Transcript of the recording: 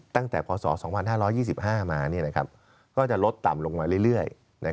ตั้งแต่พศ๒๕๒๕มาก็จะลดต่ำลงมาเรื่อย